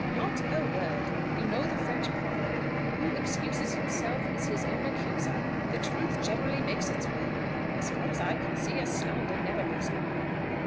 "Not a word. You know the French proverb: 'Who excuses himself is his own accuser.' The truth generally makes its way. As far as I can see, a slander never lives long."